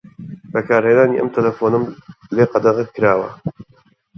بەکارهێنانی ئەم تەلەفۆنەم لێ قەدەغە کراوە.